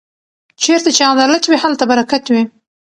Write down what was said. چېرته چې عدالت وي هلته برکت وي.